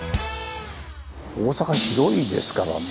大阪広いですからね。